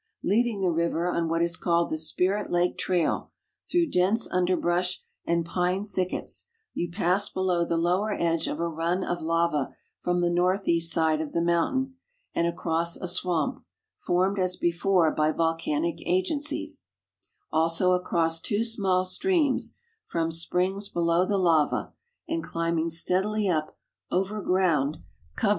Leaving the river on what is called the Spirit Lake trail, through dense underbrush and pine thickets, you pass l)elow the lower edge of a run of lava from the nortlieast side of the mountain and across a swanq), formed as before by volcanic agencies; also across two small streams, from springs below the lava, and climbing steadily up, over ground covert?